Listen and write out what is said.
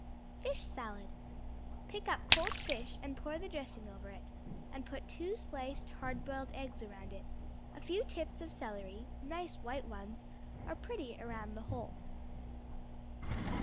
Fish Salad Pick up cold fish and pour the dressing over it, and put two sliced hard boiled eggs around it; a few tips of celery, nice white ones, are pretty around the whole.